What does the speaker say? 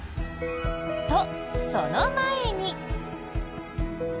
と、その前に。